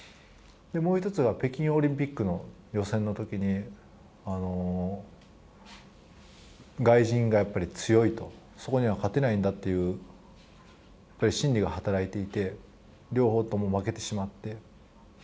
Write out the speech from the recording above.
で、もう一つが北京オリンピックの予選のときに外人がやっぱり強いとそこには勝てないんだというやぱり心理が働いていて両方とも負けてしまって。